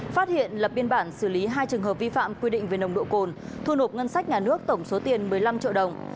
phát hiện lập biên bản xử lý hai trường hợp vi phạm quy định về nồng độ cồn thu nộp ngân sách nhà nước tổng số tiền một mươi năm triệu đồng